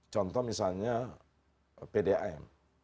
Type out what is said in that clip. contoh misalnya pdam